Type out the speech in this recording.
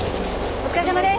お疲れさまです。